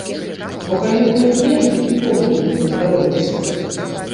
Бо калі палыхне, дык нікому тут не паздаровіцца.